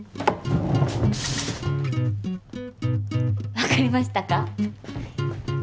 わかりましたか？